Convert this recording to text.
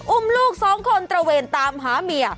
อุ้มลูกสองคนตระเวนตามหาเมีย